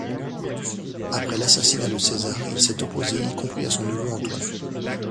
Après l'assassinat de César, il s'est opposé y compris à son neveu Antoine.